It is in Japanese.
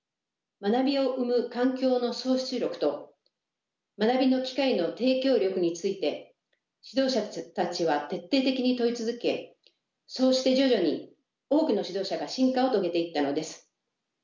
「学びを生む環境の創出力」と「学びの機会の提供力」について指導者たちは徹底的に問い続けそうして徐々に多くの指導者が進化を遂げていったのです。